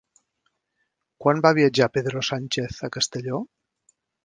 Quan va viatjar Pedro Sánchez a Castelló?